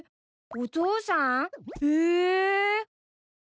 お父さん？え！？